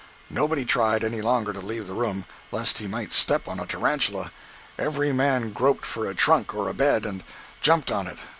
Nobody tried, any longer, to leave the room, lest he might step on a tarantula. Every man groped for a trunk or a bed, and jumped on it.